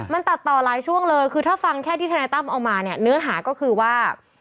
มันตัดต่อหลายช่วงเลยคือถ้าฟังแค่ที่ทนายตั้มเอามาเนี่ยเนื้อหาก็คือว่า